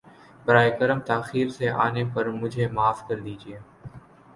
براہ کرم تاخیر سے آنے پر مجھے معاف کر دیجۓ